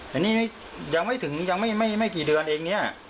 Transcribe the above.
แต่นี่ยังไม่ถึงยังไม่กี่เดือนเองเนี่ย